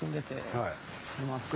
はい。